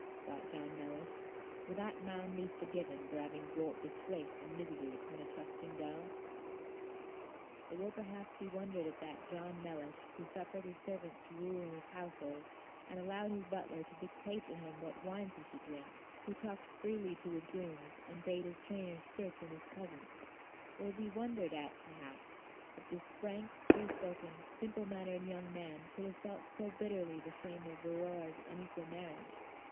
thought John Mellish; "will that man be forgiven for having brought disgrace and misery upon a trusting girl?" It will perhaps be wondered at that John Mellish, who suffered his servants to rule in his household, and allowed his butler to dictate to him what wines he should drink, who talked freely to his grooms, and bade his trainer sit in his presence it will be wondered at, perhaps, that this frank, free spoken, simple mannered young man should have felt so bitterly the shame of Aurora's unequal marriage.